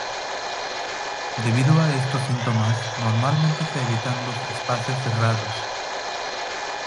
Debido a estos síntomas, normalmente se evitan los espacios cerrados.